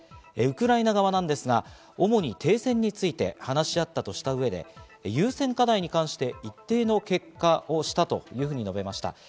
ウクライナ側ですが、主に停戦について話し合ったとした上で優先課題に関して一定の結果を出したというふうに述べました。